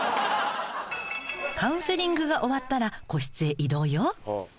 カウンセリングが終わったら個室へ移動よ。